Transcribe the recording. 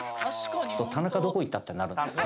田中どこ行った？ってなるんですよね。